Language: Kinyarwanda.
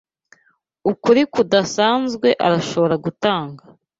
Ukuri kudasanzwe arashobora gutanga